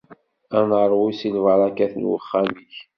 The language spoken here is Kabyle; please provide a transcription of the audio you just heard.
Ad neṛwu si lbarakat n uxxam-ik.